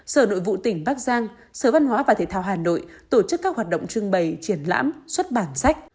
sở nội vụ tỉnh bắc giang sở văn hóa và thể thao hà nội tổ chức các hoạt động trưng bày triển lãm xuất bản sách